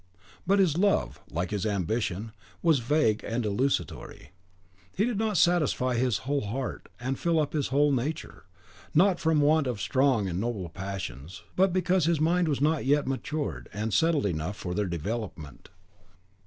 But his love, like his ambition, was vague and desultory. It did not satisfy his whole heart and fill up his whole nature; not from want of strong and noble passions, but because his mind was not yet matured and settled enough for their development.